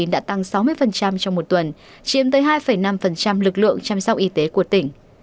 đã tăng sáu mươi trong một tuần chiếm tới hai năm lực lượng chăm sóc y tế của tỉnh